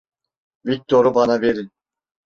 Viktor'u bana verin!